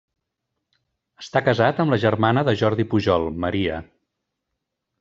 Està casat amb la germana de Jordi Pujol, Maria.